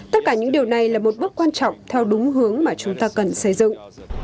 tất cả những điều này là một bước quan trọng theo đúng hướng mà chúng ta cần xây dựng